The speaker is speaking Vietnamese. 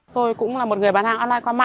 tôi cũng là một người bán hàng